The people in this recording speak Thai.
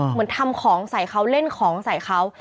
เหมือนทำของใส่เขาเล่นของใส่เขา